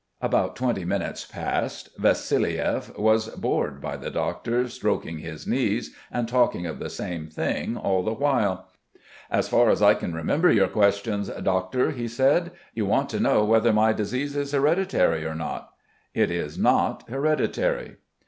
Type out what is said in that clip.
About twenty minutes passed. Vassiliev was bored by the doctor stroking his knees and talking of the same thing all the while. "As far as I can understand your questions, Doctor," he said. "You want to know whether my disease is hereditary or not. It is not hereditary."